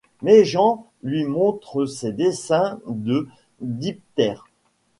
Meigen lui montre ses dessins de diptères.